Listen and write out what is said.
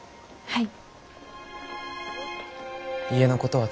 はい。